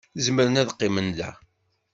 Zemren ad qqimen da.